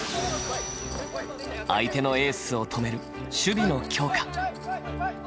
相手のエースを止める守備の強化。